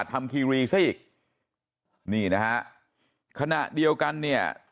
คีรีซะอีกนี่นะฮะขณะเดียวกันเนี่ย